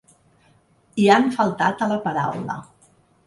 I han faltat a la paraula.